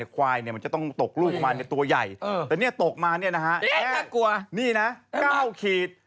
ควายมันจะต้องตกลูกมาในตัวใหญ่แต่ตกมาแค่นี่นะ๙ขีด